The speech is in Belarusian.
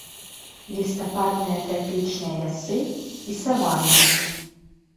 Лістападныя трапічныя лясы і саванны.